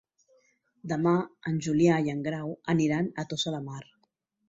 Demà en Julià i en Grau aniran a Tossa de Mar.